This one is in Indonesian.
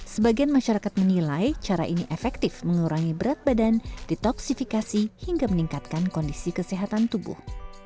sebagian masyarakat menilai cara ini efektif mengurangi berat badan detoksifikasi hingga meningkatkan kondisi kesehatan tubuh